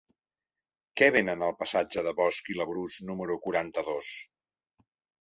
Què venen al passatge de Bosch i Labrús número quaranta-dos?